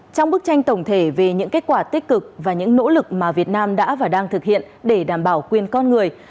trong bức tranh tổng thể về những kết quả tích cực và những nỗ lực mà việt nam đã và đang thực hiện để đảm bảo quyền con người